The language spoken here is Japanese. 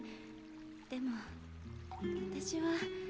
でも私は。